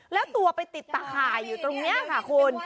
แล้วตัวไปติดตะข่ายอยู่ตรงนี้ค่ะคุณ